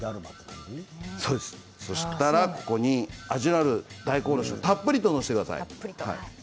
そしたら、ここに味のある大根おろしをたっぷりと載せてください。